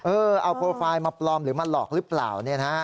เออเอาโปรไฟล์มาปลอมหรือมาหลอกหรือเปล่า